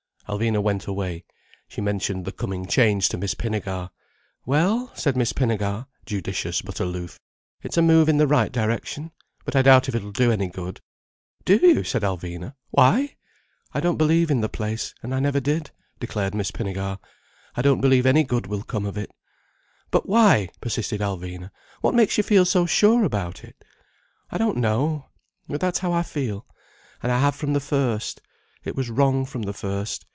Alvina went away. She mentioned the coming change to Miss Pinnegar. "Well," said Miss Pinnegar, judicious but aloof, "it's a move in the right direction. But I doubt if it'll do any good." "Do you?" said Alvina. "Why?" "I don't believe in the place, and I never did," declared Miss Pinnegar. "I don't believe any good will come of it." "But why?" persisted Alvina. "What makes you feel so sure about it?" "I don't know. But that's how I feel. And I have from the first. It was wrong from the first.